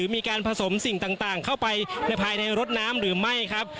มีการผสมสิ่งต่างเข้าไปภายในรถน้ำหรือไม่ครับ